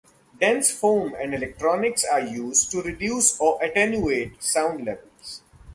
Dense foam and electronics are used to reduce or attenuate sound levels.